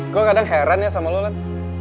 gue kadang heran ya sama lo lan